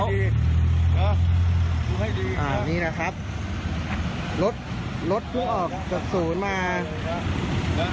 ดูให้ดีอ่ะนี่นะครับรถรถผู้ออกจากศูนย์มาน่ะ